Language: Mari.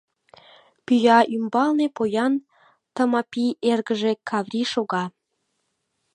Пӱя ӱмбалне поян Тымапий эргыже Каврий шога.